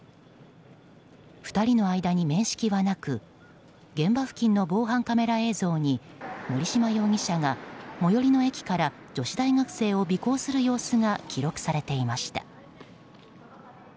２人の間に面識はなく現場付近の防犯カメラ映像に森島容疑者が、最寄りの駅から女子大学生を尾行する様子が記録されていました。